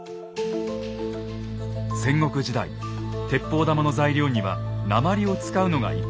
戦国時代鉄砲玉の材料には鉛を使うのが一般的でした。